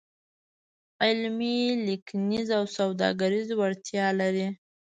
علمي، لیکنیز او سوداګریز وړتیا لري.